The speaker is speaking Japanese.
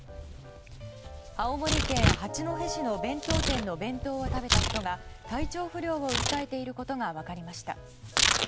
青森県八戸市の弁当店の弁当を食べた人が体調不良を訴えていることが分かりました。